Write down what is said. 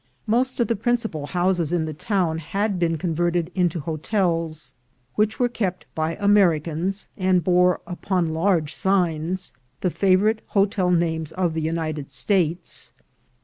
Most of the principal houses in the town had been converted into hotels, which were kept by Ameri cans, and bore, upon large signs, the favorite hotel names of the United States.